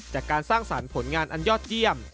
การสร้างสรรค์ผลงานอันยอดเยี่ยม